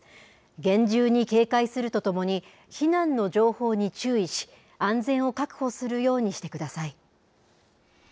厳重に警戒するとともに、避難の情報に注意し、安全を確保するようにしてください。